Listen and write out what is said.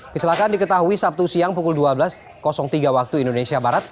kecelakaan diketahui sabtu siang pukul dua belas wib